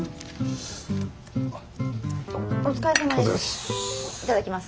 お疲れさまです。